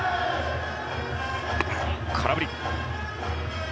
空振り。